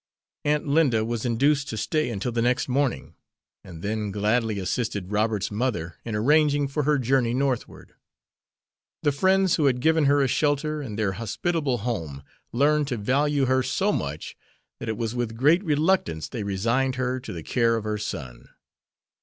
Aunt Linda was induced to stay until the next morning, and then gladly assisted Robert's mother in arranging for her journey northward. The friends who had given her a shelter in their hospitable home, learned to value her so much that it was with great reluctance they resigned her to the care of her son.